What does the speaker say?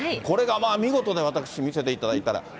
これがもう、見事で、私、見せていただいたら。